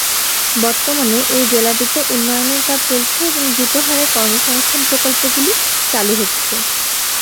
বর্তমানে এই জেলাটিতে উন্নয়নের কাজ চলছে এবং দ্রুত হারে কর্মসংস্থান প্রকল্পগুলি চালু হচ্ছে।